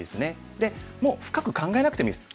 でもう深く考えなくてもいいです。